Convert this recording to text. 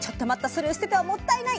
それを捨ててはもったいない。